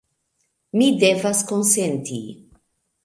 Mi devas konsenti.